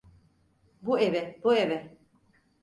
Bu eve, bu eve!